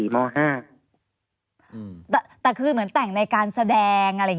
แต่คือเหมือนแต่งในการแสดงอะไรอย่างนี้